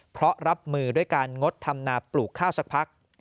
เพราะรับมือด้วยการงดทำนาปลูกข้าวสักพัก